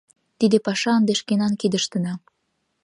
Тиде паша ынде шкенан кидыштына.